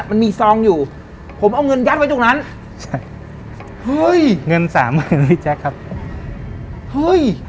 มันมีซองอยู่ผมเอาเงินยัดไว้ตรงนั้นใช่เฮ้ยเงินสามหมื่นนะพี่แจ๊คครับเฮ้ย